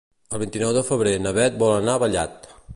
El vint-i-nou de febrer na Beth va a Vallat.